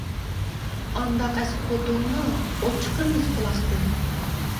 ئانداق ئەسكى خوتۇننىڭ، ئوت چىقىرىمىز قۇلاقتىن.